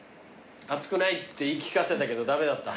暑くないって言い聞かせたけど駄目だった。